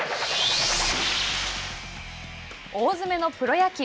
大詰めのプロ野球。